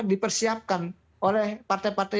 dipersiapkan oleh partai partai